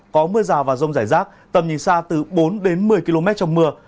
có mưa rào và rông rải rác tầm nhìn xa từ bốn đến một mươi km trong mưa